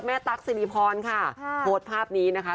ตั๊กสิริพรค่ะโพสต์ภาพนี้นะคะ